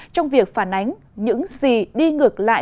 trong việc phản ánh những gì đi ngược lại